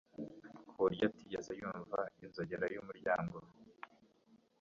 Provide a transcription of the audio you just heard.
kuburyo atigeze yumva inzogera yumuryango